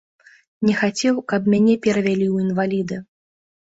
Не хацеў, каб мяне перавялі ў інваліды.